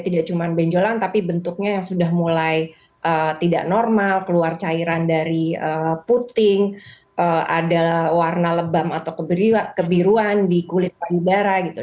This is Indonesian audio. tidak cuma benjolan tapi bentuknya yang sudah mulai tidak normal keluar cairan dari puting ada warna lebam atau kebiruan di kulit payubara gitu